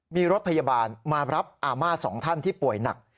มีรถพยาบาลมารับอาม่าสองท่านที่ป่วยหนัก